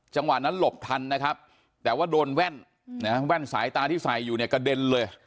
จังหวะนั้นหลบทันนะครับแต่ว่าโดนแว่นแว่นสายตาที่ใส่อยู่เนี่ยกระเด็นเลย